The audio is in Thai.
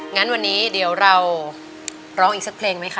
งั้นวันนี้พร้อมร้องอีกสักเพลงไหมคะ